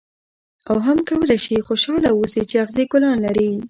او هم کولای شې خوشاله اوسې چې اغزي ګلان لري.